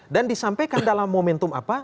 dan disampaikan dalam momentum apa